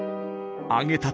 揚げたて